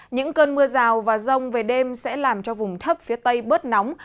những cơn mưa rào và rông về đêm sẽ làm cho vùng thấp phía tây bớt nóng